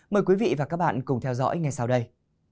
mời quý vị và các bạn cùng theo dõi ngay sau đây